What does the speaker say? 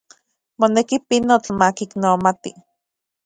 Moneki, pinotl makiknomati.